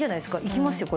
いきますよ